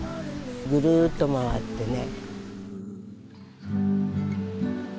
ぐるっと回ってね。